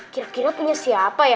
kira kira punya siapa ya